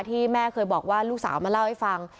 ที่แม่เคยบอกว่าลูกสาวมาเล่าให้ฟัง